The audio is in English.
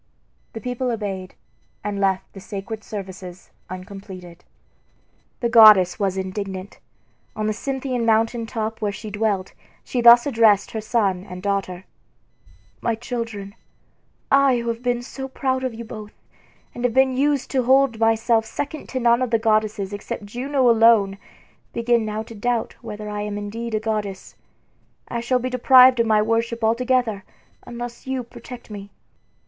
The people obeyed, and left the sacred services uncompleted. The goddess was indignant. On the Cynthian mountain top where she dwelt she thus addressed her son and daughter: "My children, I who have been so proud of you both, and have been used to hold myself second to none of the goddesses except Juno alone, begin now to doubt whether I am indeed a goddess. I shall be deprived of my worship altogether unless you protect me."